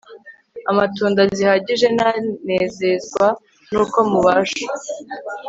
Amatunda zihagije Nanezezwa nuko mubasha